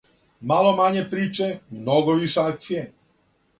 Мало мање приче, много више акције.